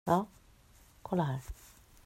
Ja, kolla här.